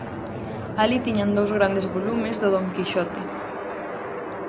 Alí tiñan dous grandes volumes do Don Quixote.